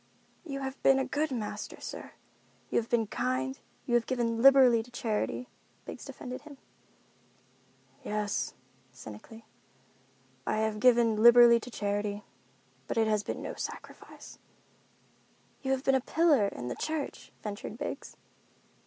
"You have been a good master, sir. You have been kind, you have given liberally to charity," Biggs defended him. "Yes," cynically, "I have given liberally to charity. But it has been no sacrifice." "You have been a pillar in the church," ventured Biggs.